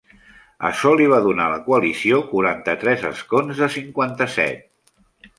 Açò li va donar a la coalició quaranta-tres escons de cinquanta-set.